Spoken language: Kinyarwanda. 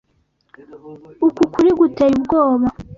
Uku kuri guteye ubwoba,